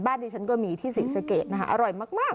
ที่ฉันก็มีที่ศรีสะเกดนะคะอร่อยมาก